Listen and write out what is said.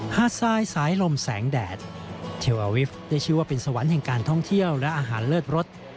ทรายสายลมแสงแดดเทลอาวิฟต์ได้ชื่อว่าเป็นสวรรค์แห่งการท่องเที่ยวและอาหารเลิศรส